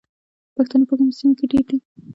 پښتانه په کومو سیمو کې ډیر دي؟